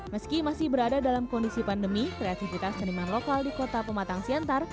meski masih berada dalam kondisi pandemi kreatifitas seniman lokal di kota pematang siantar